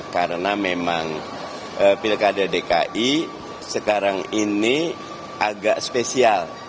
karena memang pilkada dki sekarang ini agak spesial